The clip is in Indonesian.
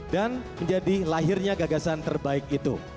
dan menjadi lahirnya gagasan terbaik itu